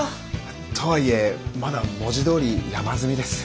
とはいえまだ文字どおり山積みです。